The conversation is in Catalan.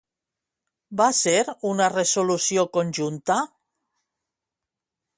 Va ser una resolució conjunta?